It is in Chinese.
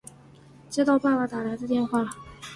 接到爸爸打来的电话